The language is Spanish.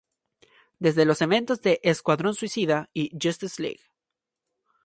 Desde los eventos de "Escuadrón Suicida" y "Justice League".